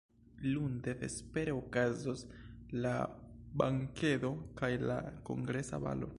Lunde vespere okazos la bankedo kaj la kongresa balo.